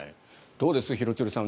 どうです、廣津留さん